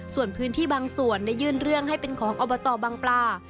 ส่วนพื้นที่บางส่วนได้ยื่นเรื่องให้เป็นของอบตบังปลา